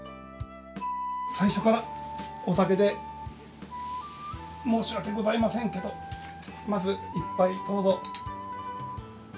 最初からお酒で申し訳ございませんけど、まず、一杯どうぞ。